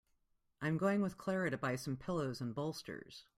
I'm going with Clara to buy some pillows and bolsters.